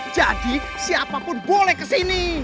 jadi siapapun boleh kesini